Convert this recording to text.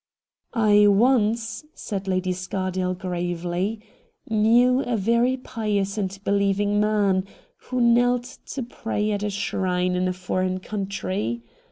' I once,' said Lady Scardale gravely, * knew a very pious and beheving man, who knelt to pray at a shrine in a foreign country.